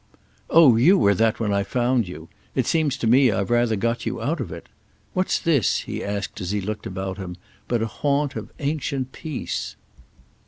"Oh you were that when I found you. It seems to me I've rather got you out of it. What's this," he asked as he looked about him, "but a haunt of ancient peace?"